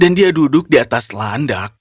dan dia duduk di atas landak